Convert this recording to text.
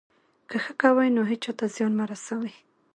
که ښه کوئ، نو هېچا ته زیان مه رسوئ.